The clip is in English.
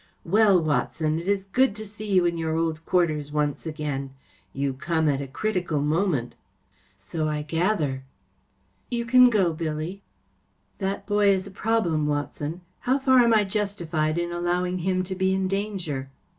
Well, Watson, it is good to see you in your old quarters once again. You come at a critical moment.‚ÄĚ ‚ÄĚ So I gather.‚ÄĚ ‚ÄĚ You can go, Billy. That boy is a problem, Watson. How far am I justified in allowing him to be in danger